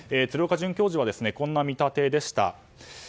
鶴岡准教授はこんな見立てでした。